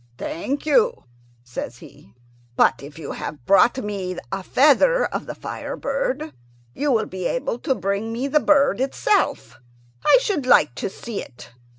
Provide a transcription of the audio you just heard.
"Thank you," says he; "but if you have brought me a feather of the fire bird, you will be able to bring me the bird itself. I should like to see it.